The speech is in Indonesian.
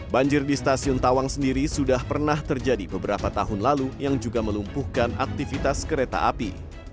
banjir di stasiun tawang sendiri sudah pernah terjadi beberapa tahun lalu yang juga melumpuhkan aktivitas kereta api